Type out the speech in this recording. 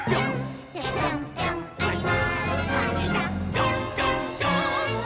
「ピョンピョンピョーンって！